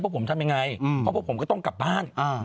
เพราะพวกผมก็ต้องกลับบ้าน